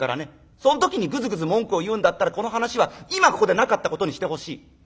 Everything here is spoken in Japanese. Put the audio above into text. その時にぐずぐず文句を言うんだったらこの話は今ここでなかったことにしてほしい。